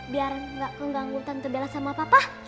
biar gak keganggu tante bella sama papa